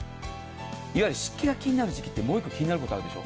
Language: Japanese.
いわゆる湿気が気になる時期ってもう１個気になることあるでしょ？